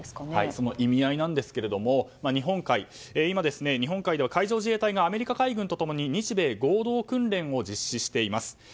その意味合いなんですけれども今、日本海では海上自衛隊がアメリカ海軍と共に日米合同訓練を実施しています。